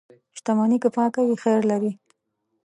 • شتمني که پاکه وي، خیر لري.